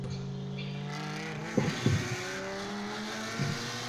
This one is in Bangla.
কয়েক মাস পর পরিবারের সবাইকে নিয়ে অবশেষে তিনি প্রাগ চলে আসেন।